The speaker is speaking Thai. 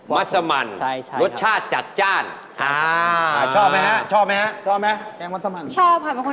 มัสมันรสชาติจัดจ้านชอบไหมฮะชอบไหมฮะ